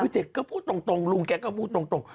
คือเด็กก็พูดตรงลุงแกก็พูดตรง